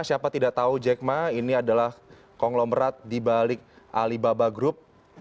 siapa tidak tahu jack ma ini adalah konglomerat di balik alibaba group